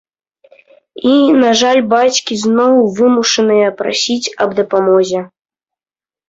І, на жаль, бацькі зноў вымушаныя прасіць аб дапамозе.